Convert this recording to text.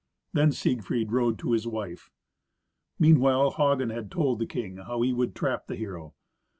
Then Siegfried rode to his wife. Meanwhile Hagen had told the king how he would trap the hero.